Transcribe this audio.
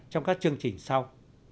trong các chương trình sau